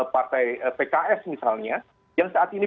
partai pks misalnya yang saat ini